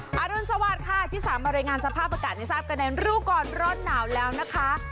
ค่ะอรุณสวาสค์ค่ะที่สรรพบริงารสมะหนักในทราบกำเนินรถก่อนร่อนหนาวแล้วนะคะ